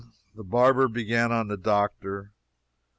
The barber began on the doctor.